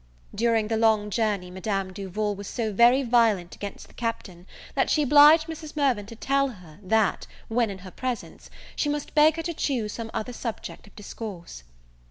During the journey Madame Duval was so very violent against the Captain, that she obliged Mrs. Mirvan to tell her, that, when in her presence, she must beg her to choose some other subject of discourse.